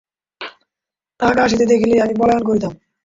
তাহাকে আসিতে দেখিলেই আমি পলায়ন করিতাম।